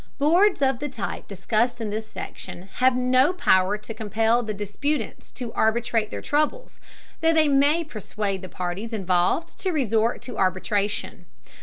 Boards of the type discussed in this section have no power to compel the disputants to arbitrate their troubles, though they may persuade the parties involved to resort to arbitration.